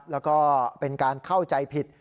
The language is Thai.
แล้วก็เป็นการเข้าใจผิด